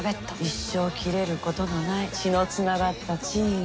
一生切れることのない血のつながったチーム。